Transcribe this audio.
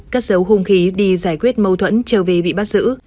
cắt dấu hùng khí đi giải quyết mâu thuẫn trở về bị bắt giữ